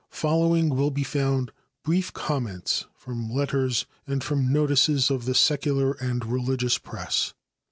Following will be found brief comments from letters and from notices of the secular and religious press.